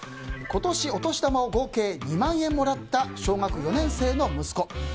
今年、お年玉を合計２万円もらった小学４年生の息子。